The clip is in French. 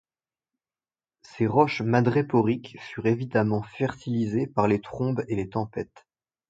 Ses roches madréporiques furent évidemment fertilisées par les trombes et les tempêtes.